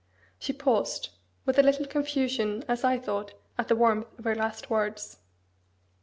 She paused, with a little confusion, as I thought, at the warmth of her last words.